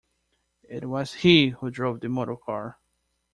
It was he who drove the motor-car!